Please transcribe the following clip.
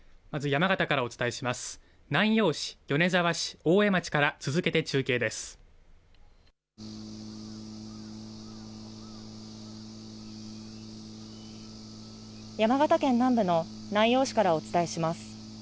山形県南部の南陽市からお伝えします。